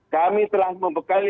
kami telah membekali